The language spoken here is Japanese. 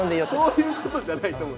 そういうことじゃないと思う。